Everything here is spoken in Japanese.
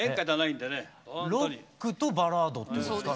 ロックとバラードということですか？